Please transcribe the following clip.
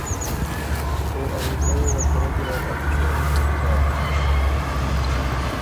او ا یِمبیه وه کُورۀ ګیرډ ا مشوري شُوري داکِن۔